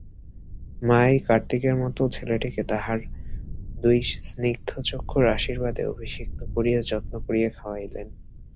মা এই কার্তিকের মতো ছেলেটিকে তাঁহার দুই স্নিগ্ধচক্ষুর আশীর্বাদে অভিষিক্ত করিয়া যত্ন করিয়া খাওয়াইলেন।